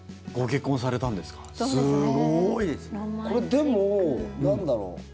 これ、でも、なんだろう